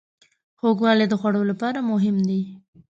خوږوالی د خوړو لپاره مهم دی.